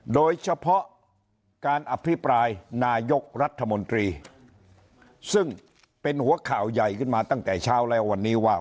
โดยเฉพาะการอภิปรายนายกรัฐมนตรีซึ่งเป็นหัวข่าวใหญ่ขึ้นมาตั้งแต่เช้าแล้ววันนี้ว่า